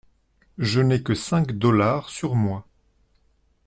Je n’ai que cinq dollars sur moi.